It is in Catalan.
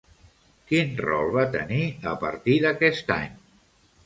Quin rol va tenir a partir d'aquest any?